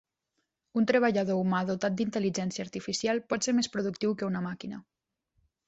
Un treballador humà dotat d'intel·ligència artificial pot ser més productiu que una màquina.